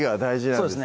そうですね